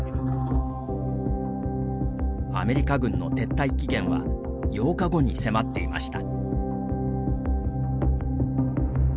アメリカ軍の撤退期限は８日後に迫っていました。